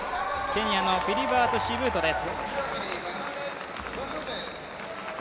ケニアフィリバート・シブートです